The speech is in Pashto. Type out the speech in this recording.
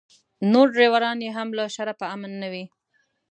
نور ډریوران یې هم له شره په امن نه وي.